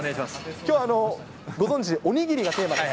きょう、ご存じ、お握りがテーマです。